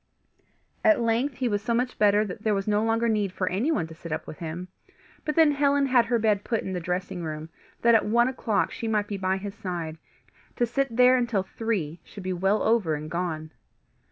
At length he was so much better that there was no longer need for anyone to sit up with him; but then Helen had her bed put in the dressing room, that at one o'clock she might be by his side, to sit there until three should be well over and gone.